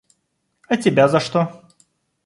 А тебя за что?